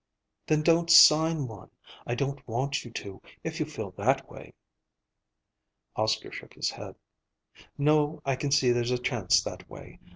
"Then don't sign one. I don't want you to, if you feel that way." Oscar shook his head. "No, I can see there's a chance that way.